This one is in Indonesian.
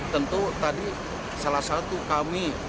tentu tadi salah satu kami